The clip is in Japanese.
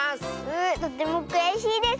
とてもくやしいです。